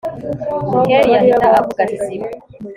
kellia ahita avuga ati ziba